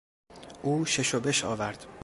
او شش و بش آورد.